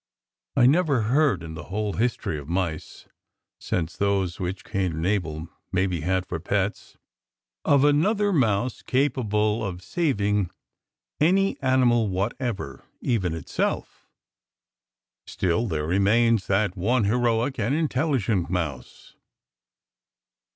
I never heard, in the whole history of mice, since those which Cain and Abel maybe had for pets, of another mouse capable of saving any animal what ever, even itself. Still, there remains that one heroic and intelligent mouse.